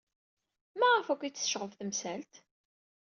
Maɣef akk ay t-tecɣeb temsalt?